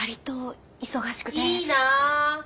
いいな！